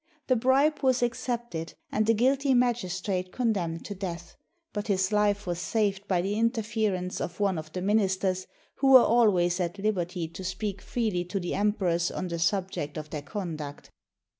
The bribe was accepted and the guilty magistrate con demned to death; but his life was saved by the interfer ence of one of the ministers, who were always at liberty to speak freely to the emperors on the subject of their conduct.